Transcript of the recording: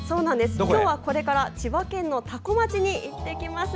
今日は、これから千葉県の多古町に行ってきます。